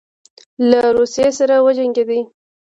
له روسیې سره وجنګېدی.